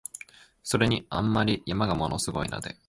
それに、あんまり山が物凄いので、